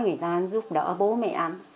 người ta giúp đỡ bố mẹ